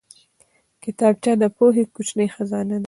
کتابچه د پوهې کوچنۍ خزانه ده